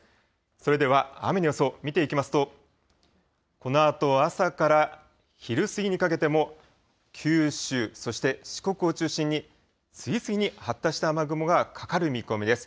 それでは雨の予想見ていきますと、このあと朝から昼過ぎにかけても、九州、そして四国を中心に次々に発達した雨雲がかかる見込みです。